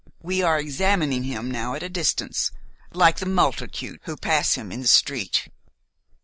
We are examining him now at a distance, like the multitude who pass him in the street.